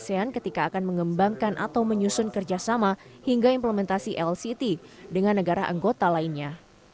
asean ketika akan mengembangkan atau menyusun kerjasama hingga implementasi lct dengan negara anggota lainnya